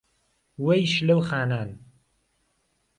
وهی شلهو خانان